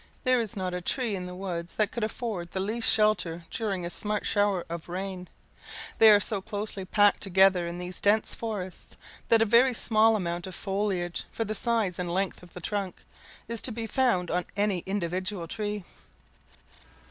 There is not a tree in the woods that could afford the least shelter during a smart shower of rain. They are so closely packed together in these dense forests, that a very small amount of foliage, for the size and length of the trunk, is to be found on any individual tree.